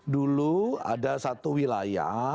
dulu ada satu wilayah